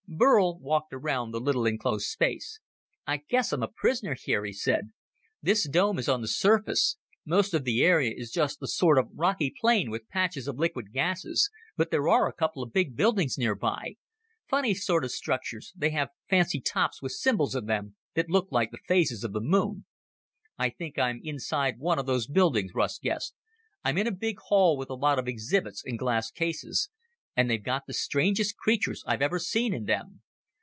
Burl walked around the little enclosed space. "I guess I'm a prisoner here," he said. "This dome is on the surface. Most of the area is just a sort of rocky plain with patches of liquid gases, but there are a couple of big buildings nearby. Funny sort of structures they have fancy tops with symbols on them that look like the phases of the moon." "I think I'm inside one of those buildings," Russ guessed. "I'm in a big hall with a lot of exhibits in glass cases. And they've got the strangest creatures I've ever seen in them.